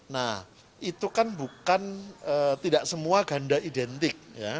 nah itu kan bukan tidak semua ganda identik